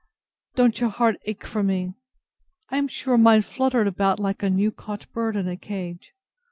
Don't your heart ache for me?—I am sure mine fluttered about like a new caught bird in a cage.